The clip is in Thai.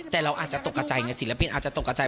แต่เราอาจจะตกกระใจไงศิลปินอาจจะตกกระใจ